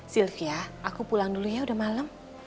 sylvia aku pulang dulu ya udah malem